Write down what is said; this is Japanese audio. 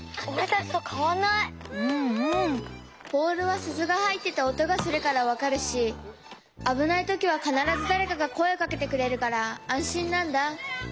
ボールはすずがはいってておとがするからわかるしあぶないときはかならずだれかがこえをかけてくれるからあんしんなんだ。